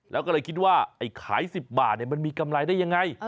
แล้วก็เลยคิดว่าไอ้ขาย๑๐บาทมันมีกำไรได้ยังไง